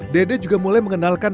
dede juga mulai mengenalkan